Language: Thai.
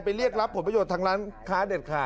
เรียกรับผลประโยชน์ทางร้านค้าเด็ดขาด